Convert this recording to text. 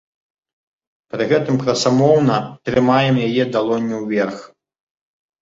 Пры гэтым красамоўна трымаем яе далонню ўверх.